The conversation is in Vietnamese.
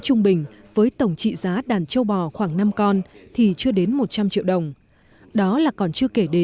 trị lợi nông thị lợi